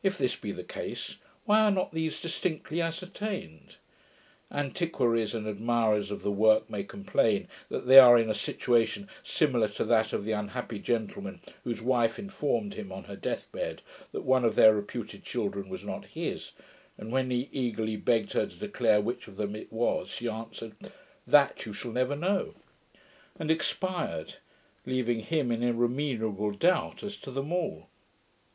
If this be the case, why are not these distinctly ascertained? Antiquaries, and admirers of the work, may complain, that they are in a situation similar to that of the unhappy gentleman whose wife informed him, on her death bed, that one of their reputed children was not his; and, when he eagerly begged her to declare which of them it was, she answered, 'THAT you shall never know', and expired, leaving him in irremediable doubt as to them all.